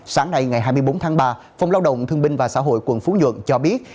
sáng nay ngày hai mươi bốn tháng ba phòng lao động thương binh và xã hội quận phú nhuận cho biết